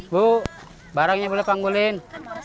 bu barangnya boleh panggulin